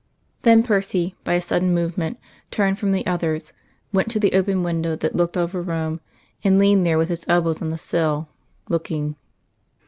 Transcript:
Then Percy, by a sudden movement, turned from the others, went to the open window that looked over Rome, and leaned there with his elbows on the sill, looking.